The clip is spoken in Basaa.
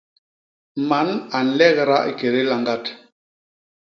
Man a nlegda i kédé lañgat.